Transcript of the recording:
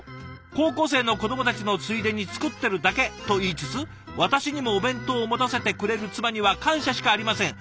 「高校生の子どもたちのついでに作ってるだけと言いつつ私にもお弁当を持たせてくれる妻には感謝しかありません」。